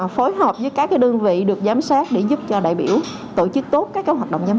phối hợp với các đơn vị được giám sát để giúp cho đại biểu tổ chức tốt các hoạt động giám